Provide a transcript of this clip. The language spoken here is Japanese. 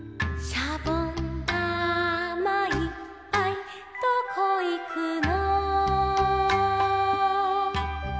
「しゃぼんだまいっぱいどこいくの」